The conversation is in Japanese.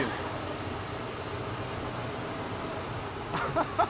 ハハハ！